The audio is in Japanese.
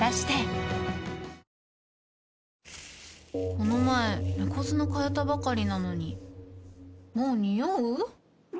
この前猫砂替えたばかりなのにもうニオう？